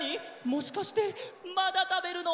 もしかしてまだたべるの？